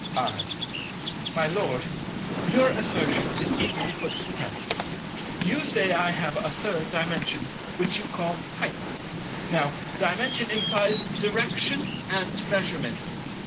I. My Lord, your assertion is easily put to the test. You say I have a Third Dimension, which you call "height." Now, Dimension implies direction and measurement.